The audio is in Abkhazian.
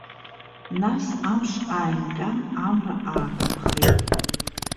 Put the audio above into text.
Нас амш ааимҟьан, амра аакаԥхеит.